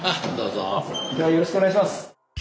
よろしくお願いします。